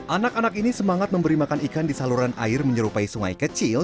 anak anak ini semangat memberi makan ikan di saluran air menyerupai sungai kecil